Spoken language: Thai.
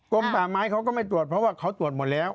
ป่าไม้เขาก็ไม่ตรวจเพราะว่าเขาตรวจหมดแล้ว